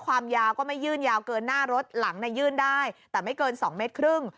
ความยาวก็ไม่ยื่นยาวเกินหน้ารถหลังยื่นได้แต่ไม่เกิน๒เมตรครึ่ง